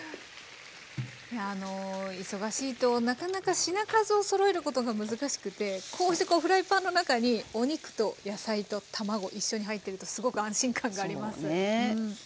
忙しいとなかなか品数をそろえることが難しくてこうしてこうフライパンの中にお肉と野菜と卵一緒に入ってるとすごく安心感があります。